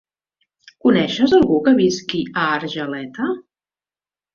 Coneixes algú que visqui a Argeleta?